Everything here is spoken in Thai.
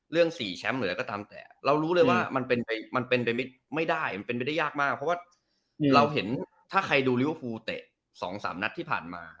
๔แชมป์หรืออะไรก็ตามแต่เรารู้เลยว่ามันเป็นไปไม่ได้มันเป็นไปได้ยากมากเพราะว่าเราเห็นถ้าใครดูลิเวอร์ฟูลเตะ๒๓นัดที่ผ่านมา